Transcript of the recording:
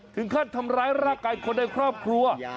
ถึงขั้นทำร้ายร่างกายคนในครอบครัว